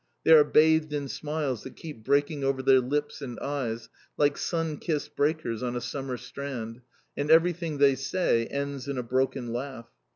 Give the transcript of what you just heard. They are bathed in smiles that keep breaking over their lips and eyes like sun kissed breakers on a summer strand, and everything they say ends in a broken laugh.